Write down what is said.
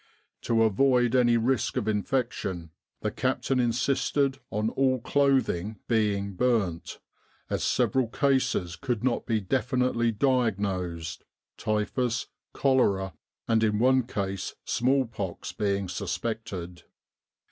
To avoid any risk of infection, the captain insisted on all clothing being burnt, as several cases could not be definitely diagnosed, typhus, cholera, and, in one case, smallpox being suspected.